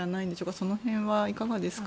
その辺はいかがですか？